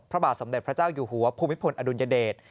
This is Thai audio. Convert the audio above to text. พระบาทสมเด็จพระเจ้าอยู่หัวภูมิพลอดุลยเดช